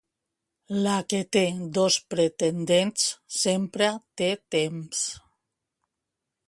La que té dos pretendents sempre té temps.